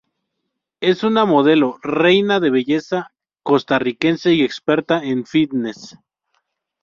Es una modelo, reina de belleza costarricense y experta en fitness.